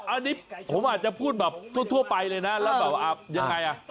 อันนี้ผมอาจจะพูดแบบทั่วไปเลยนะแล้วแบบยังไงอ่ะ